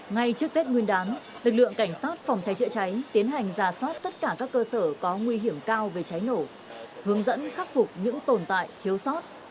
ngay trước tết nguyên đán lực lượng cảnh sát phòng cháy chữa cháy tiến hành giả soát tất cả các cơ sở có nguy hiểm cao về cháy nổ hướng dẫn khắc phục những tồn tại thiếu sót